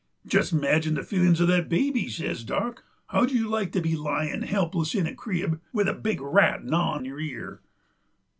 "Jest imagine the feelinks uv the baby," says Dock. "How'd you like to be lyin' helpless in a crib with a big rat gnawin' your ear?"